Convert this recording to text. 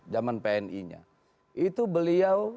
zaman pni nya itu beliau